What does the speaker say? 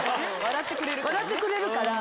笑ってくれるから。